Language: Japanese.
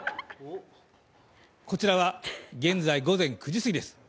こちらは現在午前９時過ぎです。